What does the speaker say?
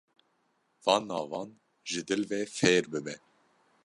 Van navan ji dil ve fêr bibe.